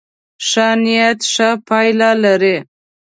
ښه نيت ښه پایله لري.